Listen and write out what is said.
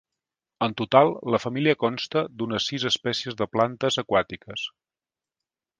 En total la família consta d'unes sis espècies de plantes aquàtiques.